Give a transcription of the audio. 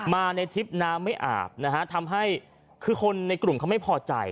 มาในทริปน้ำไม่อาบนะฮะทำให้คือคนในกลุ่มเขาไม่พอใจ